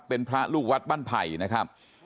เป็นพระลูกวัดบ้านไผ่นะครับ